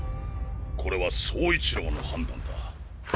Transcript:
これは走一郎の判断だ。